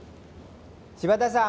柴田さん。